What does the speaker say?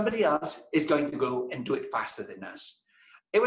seseorang lain akan meningkatkan dan melakukannya lebih cepat daripada kita